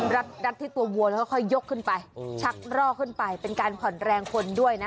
รัดที่ตัววัวแล้วค่อยยกขึ้นไปชักรอกขึ้นไปเป็นการผ่อนแรงคนด้วยนะ